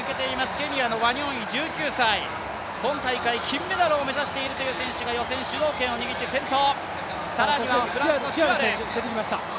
ケニアのワニョンイ１９歳、今大会金メダルを目指しているという選手が予選、主導権を握って先頭。